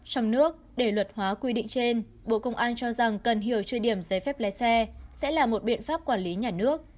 trong nước để luật hóa quy định trên bộ công an cho rằng cần hiểu truy điểm giấy phép lái xe sẽ là một biện pháp quản lý nhà nước